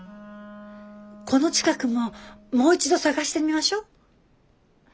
この近くももう一度捜してみましょう。